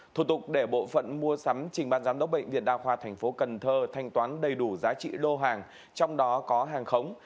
thủ tục để bộ phận mua sắm trình ban giám đốc bệnh viện đa khoa tp cần thơ thanh toán đầy đủ giá trị lô hàng trong đó có hàng khống